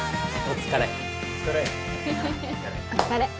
お疲れ